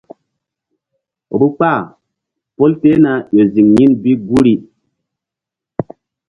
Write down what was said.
Vbukpa pol tehna ƴo ziŋ yin bi guri.